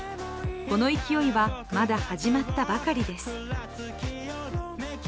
この勢いはまだ始まったばかりです。